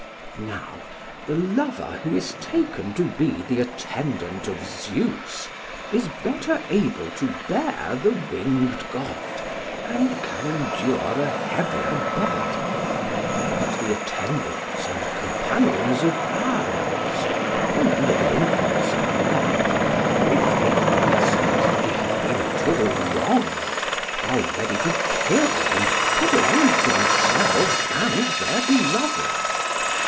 Now the lover who is taken to be the attendant of Zeus is better able to bear the winged god, and can endure a heavier burden; but the attendants and companions of Ares, when under the influence of love, if they fancy that they have been at all wronged, are ready to kill and put an end to themselves and their beloved.